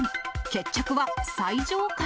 決着は最上階。